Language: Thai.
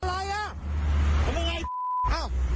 จับไปจับไปจับไปจับไปจับไป